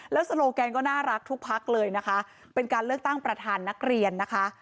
แล้วโซโลแกนก็น่ารักทุกพักเลยนะคะเป็นการเลือกตั้งประธานนักเรียนนะคะ